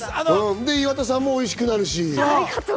岩田さんもおいしくなるし。